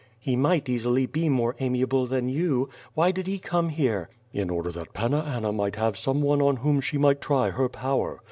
"He might easily be more amiable than you. Why did he come here?" "In order that Panna Anna might have some one on whom she might try her power.